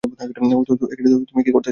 তুমি কি করতে যাচ্ছ?